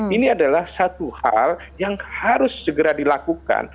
ini adalah satu hal yang harus segera dilakukan